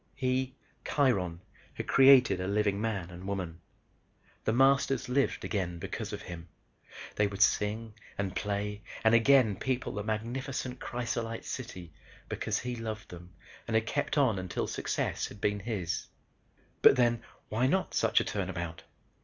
He, Kiron, had created a living man and woman. The Masters lived again because of him. They would sing and play and again people the magnificent crysolite city because he loved them and had kept on until success had been his. But then why not such a turnabout?